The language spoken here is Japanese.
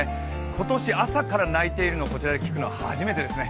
今年朝から鳴いているのをこちらで聞くのは初めてですね。